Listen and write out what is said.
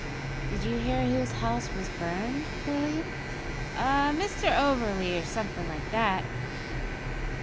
"Did you hear whose house was burned, Willie?" "A Mr Oberly, or somethin' like that."